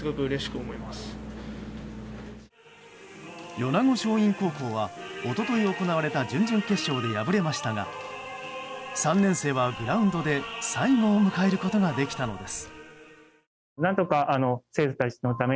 米子松蔭高校は一昨日行われた準々決勝で敗れましたが３年生はグラウンドで最後を迎えることができたのです。